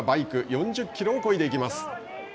４０キロをこいでいきます。